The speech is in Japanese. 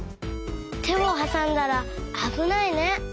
てをはさんだらあぶないね。